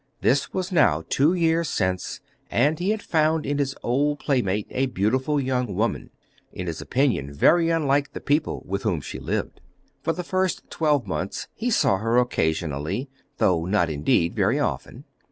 This was now two years since, and he had found in his old playmate a beautiful young woman, in his opinion very unlike the people with whom she lived. For the first twelvemonths he saw her occasionally, though not indeed very often.